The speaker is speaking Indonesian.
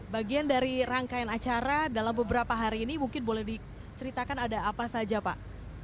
bagian dari rangkaian acara dalam beberapa hari ini mungkin boleh diceritakan ada apa saja pak